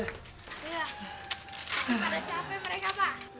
masih pada cape mereka pak